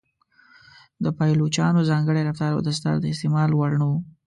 د پایلوچانو ځانګړی رفتار او دستار د استعمال وړ نه و.